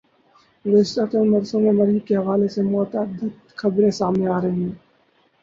گزشتہ چند بر سوں میں مریخ کے حوالے متعدد خبریں سامنے آرہی ہیں